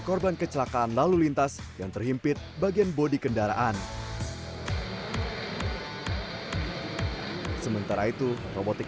korban kecelakaan lalu lintas yang terhimpit bagian bodi kendaraan sementara itu robotik